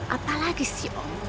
apalagi sih om